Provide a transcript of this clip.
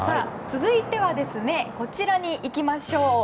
続いてはこちらに行きましょう。